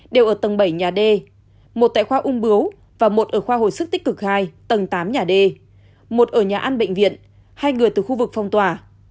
đều ở tầng bảy nhà d một tại khoa ung bưu và một ở khoa hồi sức tích cực hai tầng tám nhà d một ở nhà ăn bệnh viện hai người từ khu vực phong tỏa